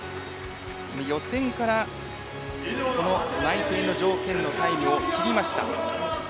予選から内定の条件のタイムを切りました。